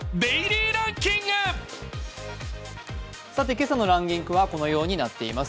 今朝のランキングはこのようになっています。